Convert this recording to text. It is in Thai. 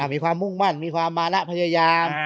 มีความมุ่งมั่นมีความมาแล้วพยายาม